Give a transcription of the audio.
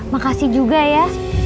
makasih juga ya